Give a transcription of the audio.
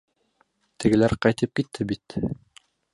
Тегеләр ҡайтып китте бит...